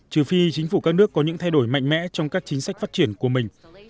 trừ phi chính phủ các nước có những thay đổi mạnh mẽ trong các chính sách phát triển của mình